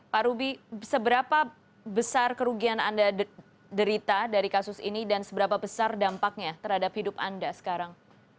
pak ruby seberapa besar kerugian anda derita dari kasus ini dan seberapa besar dampaknya terhadap hidup anda sekarang